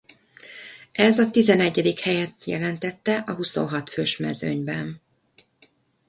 Ez a tizenegyedik helyet jelentette a huszonhat fős mezőnyben.